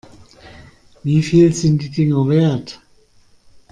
Wie viel sind die Dinger wert?